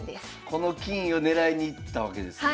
この金を狙いにいったわけですね。